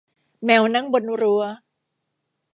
แมวนั่งบนรั้ว